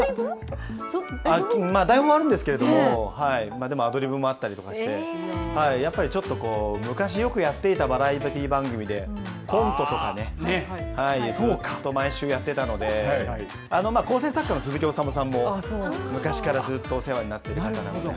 台本あるんですけど、でもアドリブもあったりとかして、やっぱりちょっとこう、昔よくやっていたバラエティー番組で、コントとかね、ずっと毎週やってたので、構成作家の鈴木おさむさんも、昔からずっとお世話になってる方なので。